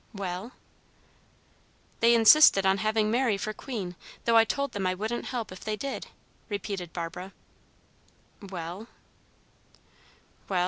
"Well?" "They insisted on having Mary for queen, though I told them I wouldn't help if they did," repeated Barbara. "Well?" "Well?